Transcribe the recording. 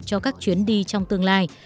cho các chuyến đi trong tương lai